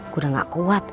gue udah nggak kuat